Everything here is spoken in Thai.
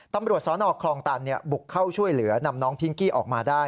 ตำรวจสนคลองตันบุกเข้าช่วยเหลือนำน้องพิงกี้ออกมาได้